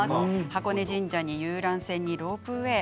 箱根神社に遊覧船にロープウエー。